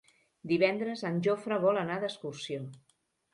Divendres en Jofre vol anar d'excursió.